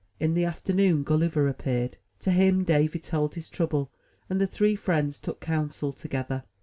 In the afternoon Gulliver appeared; to him Davy told his trouble, and the three friends took counsel together.